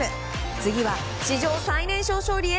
次は史上最年少勝利へ。